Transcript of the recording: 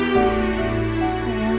boleh ya mama